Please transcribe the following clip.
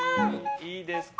いいですか？